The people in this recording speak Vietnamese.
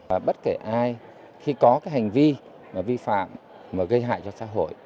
và bất kể ai khi có cái hành vi mà vi phạm mà gây hại cho xã hội